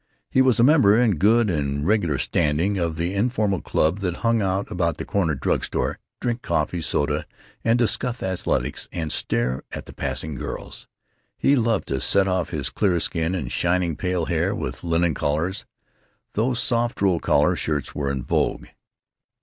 He was a member in good and regular standing of the informal club that hung about the Corner Drug Store, to drink coffee soda and discuss athletics and stare at the passing girls. He loved to set off his clear skin and shining pale hair with linen collars, though soft roll collar shirts were in vogue.